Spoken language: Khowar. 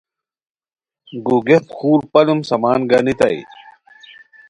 گوگیہت خور پالوم سامان گانیتانی